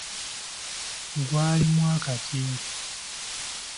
Gwali mwaka ki?